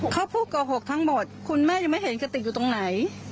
เขาพูดโกหกทั้งหมดคุณแม่ยังไม่เห็นกระติกอยู่ตรงไหน